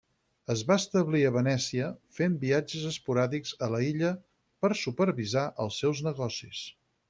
Es va establir a Venècia, fent viatges esporàdics a l'illa per supervisar els seus negocis.